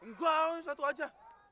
enggak satu aja